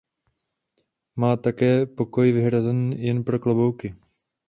Má také pokoj vyhrazený jen pro klobouky.